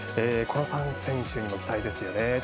この３選手にも期待ですね。